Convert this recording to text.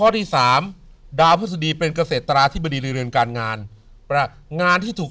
ที่สามดาวพฤษฎีเป็นเกษตราธิบดีในเรือนการงานงานที่ถูก